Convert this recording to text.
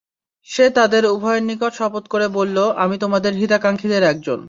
সে তাদের উভয়ের নিকট শপথ করে বলল, আমি তোমাদের হিতাকাক্ষীদের একজন।